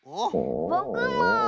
ぼくも。